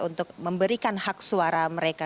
untuk memberikan hak suara mereka